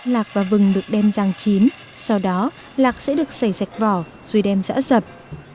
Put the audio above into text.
lạc và vừng được đem ràng chín sau đó lạc sẽ được xảy sạch vỏ rồi đem rã rập